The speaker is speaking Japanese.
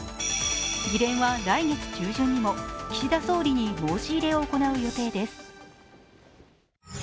議連は来月中旬にも岸田総理に申し入れを行う予定です。